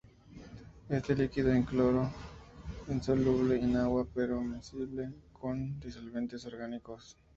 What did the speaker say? Este líquido incoloro, insoluble en agua pero miscible con disolventes orgánicos.